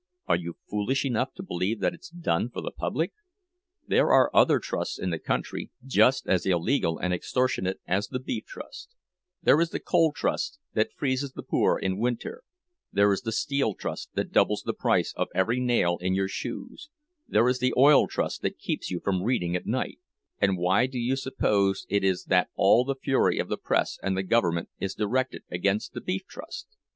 Are you foolish enough to believe that it's done for the public? There are other trusts in the country just as illegal and extortionate as the Beef Trust: there is the Coal Trust, that freezes the poor in winter—there is the Steel Trust, that doubles the price of every nail in your shoes—there is the Oil Trust, that keeps you from reading at night—and why do you suppose it is that all the fury of the press and the government is directed against the Beef Trust?"